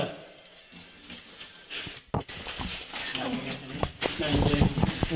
โอ้โห